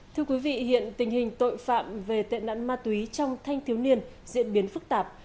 thưa quý vị hiện tình hình tội phạm về tệ nạn ma túy trong thanh thiếu niên diễn biến phức tạp